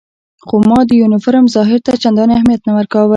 خو ما د یونیفورم ظاهر ته چندانې اهمیت نه ورکاوه.